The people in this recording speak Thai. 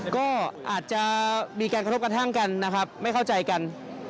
ก็อาจจะมีการกระทบกระทั่งกันนะครับไม่เข้าใจกัน